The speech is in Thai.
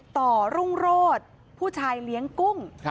รุ่งโรธผู้ชายเลี้ยงกุ้ง